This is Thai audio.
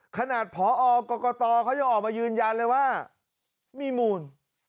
ขนาดผอกรกตเขายังออกมายืนยันเลยว่ามีมูล